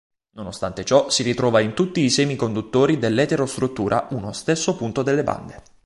Nonostante ciò, si ritrova in tutti i semiconduttori dell'eterostruttura uno stesso punto delle bande.